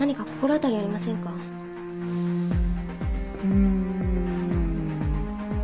うん。